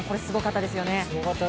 すごかったですね。